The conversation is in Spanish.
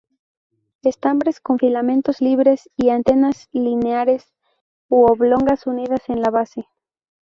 Estambres con filamentos libres y anteras lineares u oblongas unidas en la base.